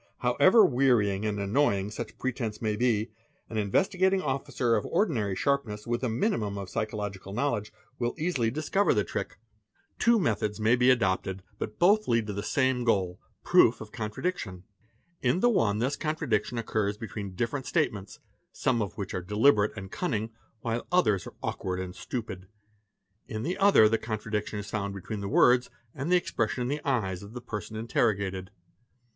However wearying and annoying such a pretence may be, Investigating Officer of ordinary sharpness with a minimum of pay gical knowledge will easily discover the trick. =|]| PRETENDED INSANITY 323 ) Two methods may be adopted but both lead to the same goal, proof _ of contradiction. In the one this contradiction occurs between different statements, some of which are deliberate and cunning, while others are awkward and stupid. In the other the contradiction is found between the _ words and the expression in the eyes of the person interrogated.